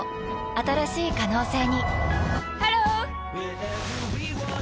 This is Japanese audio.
新しい可能性にハロー！